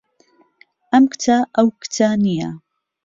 ئەم کچە ئەو کچە نییە.